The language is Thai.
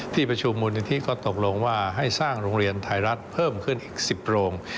ที่ประชุมมูลนิธิก็ตกลงว่าให้สร้างโรงเรียนไทยรัฐเพิ่มขึ้นอีก๑๐โรง